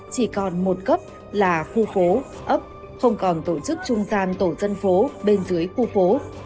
chỉ còn một cấp là khu phố ấp không còn tổ chức trung gian tổ dân phố bên dưới khu phố